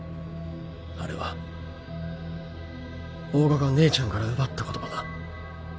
あれは大賀が姉ちゃんから奪った言葉だ